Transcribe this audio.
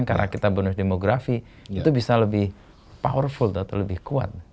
karena kita benar benar demografi itu bisa lebih powerful atau lebih kuat